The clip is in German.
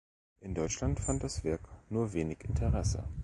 In Deutschland fand das Werk nur wenig Interesse.